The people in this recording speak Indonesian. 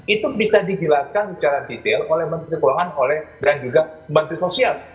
itu bisa dijelaskan secara detail oleh menteri keuangan dan juga menteri sosial